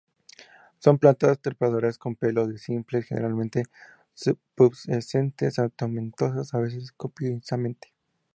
Son plantas trepadoras, con pelos simples, generalmente pubescentes a tomentosas, a veces copiosamente.